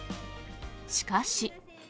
しかし。